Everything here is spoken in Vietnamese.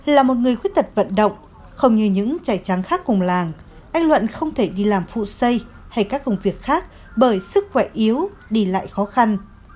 là một người khuyết tật vận động không như những trẻ tráng khác cùng làng anh luận không thể đi làm phụ xây hay các công việc khác bởi sức khỏe yếu đi lại khó khăn